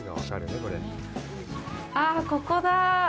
ああ、ここだ！